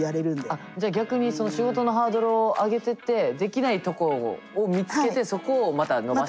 あっじゃあ逆に仕事のハードルを上げてってできないとこを見つけてそこをまた伸ばしてく。